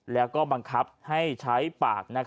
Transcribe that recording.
แล้วก็บังคับให้ใช้ปาก